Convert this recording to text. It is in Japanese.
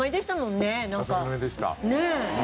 ねえ。